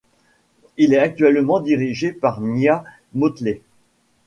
Il est actuellement dirigé par Mia Mottley.